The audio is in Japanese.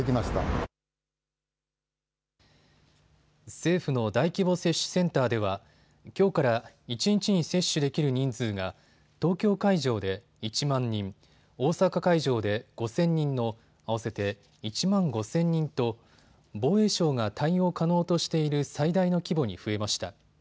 政府の大規模接種センターではきょうから一日に接種できる人数が東京会場で１万人、大阪会場で５０００人の合わせて１万５０００人と防衛省が対応可能としている最大の規模に増えました。